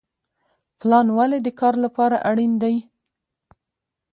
پلان ولې د کار لپاره اړین دی؟